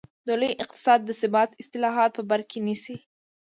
د لوی اقتصاد د ثبات اصلاحات په بر کې نیسي.